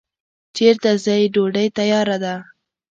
چیرته ځی ډوډی تیاره ده